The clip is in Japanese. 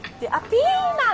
ピーマン。